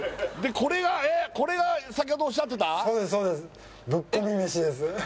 でこれがえっこれが先ほどおっしゃってた？